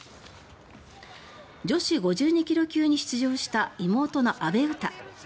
女子５２ｋｇ級に出場した妹の阿部詩。